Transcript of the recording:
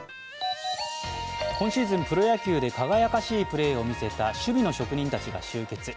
今シーズン、プロ野球で輝かしいプレーを見せた守備の職人たちが集結。